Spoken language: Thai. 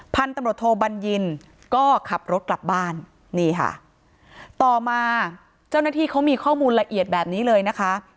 พันธุ์ตำรวจโทบัญญินก็ขับรถกลับบ้านนี่ค่ะต่อมาเจ้าหน้าที่เขามีข้อมูลละเอียดแบบนี้เลยนะคะ